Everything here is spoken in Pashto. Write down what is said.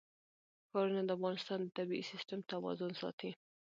ښارونه د افغانستان د طبعي سیسټم توازن ساتي.